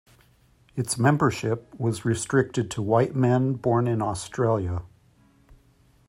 Its membership was restricted to white men born in Australia.